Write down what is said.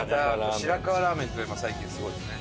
白河ラーメンっていうのも最近すごいですね。